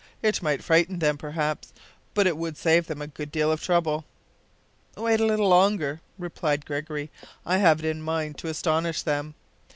"It might frighten them, perhaps, but it would save them a good deal of trouble." "Wait a little longer," replied Gregory. "I have it in my mind to astonish them.